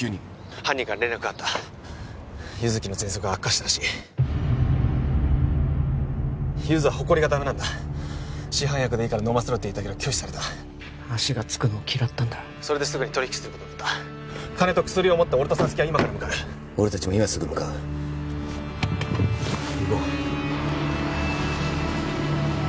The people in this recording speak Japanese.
犯人から連絡があった優月の喘息が悪化したらしいゆづはホコリがダメなんだ市販薬でいいから飲ませろって言ったけど拒否された足がつくのを嫌ったんだそれですぐに取引することになった金と薬を持って俺と沙月は今から向かう俺達も今すぐ向かう行こう